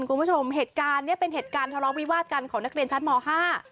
คุณผู้ชมเหตุการณ์เนี้ยเป็นเหตุการณ์ทะเลาะวิวาดกันของนักเรียนชั้นมห้า